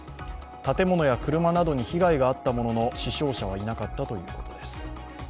建物や車などに被害があったものの死傷者はいなかったということです。